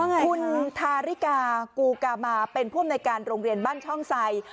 คุณทาริกากูกามาเป็นผู้อำนวยการโรงเรียนบ้านช่องไซ